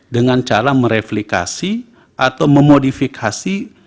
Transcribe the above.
dengan cara mereplikasi atau memodifikasi